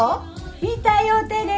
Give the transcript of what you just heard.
見たよテレビ。